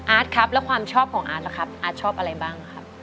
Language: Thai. ครับแล้วความชอบของอาร์ตล่ะครับอาร์ตชอบอะไรบ้างครับ